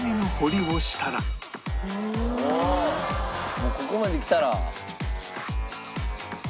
「もうここまできたら」